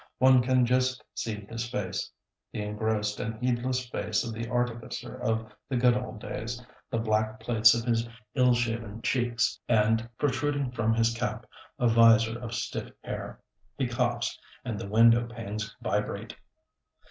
One can just see his face, the engrossed and heedless face of the artificer of the good old days; the black plates of his ill shaven cheeks; and, protruding from his cap, a vizor of stiff hair. He coughs, and the window panes vibrate.